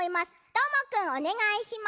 どーもくんおねがいします。